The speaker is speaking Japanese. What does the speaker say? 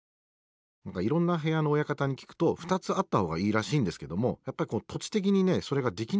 何かいろんな部屋の親方に聞くと２つあった方がいいらしいんですけどもやっぱり土地的にねそれができないらしいんですけどね。